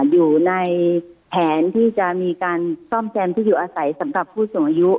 อยู่ในแผนที่จะมีการซ่อมแซมที่อยู่อาศัยสำหรับผู้สูงอายุ